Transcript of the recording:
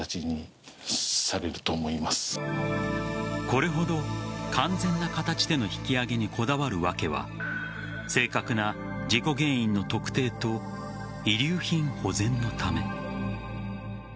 これほど完全な形での引き揚げにこだわる訳は正確な事故原因の特定と遺留品保全のため。